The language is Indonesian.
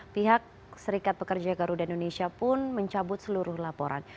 pihak serikat pekerja garuda indonesia pun mencabut seluruh laporan